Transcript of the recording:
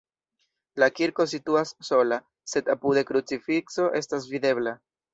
La kirko situas sola, sed apude krucifikso estas videbla.